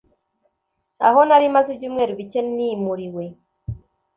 aho nari maze ibyumweru bike nimuriwe.